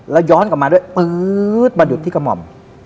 แล้วย้อนกลับมาด้วยปื๊ดมาหยุดที่กระหม่อม